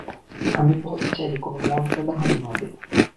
আমি বলতে চাইনি কোনো মর্যাদাহানী হবে।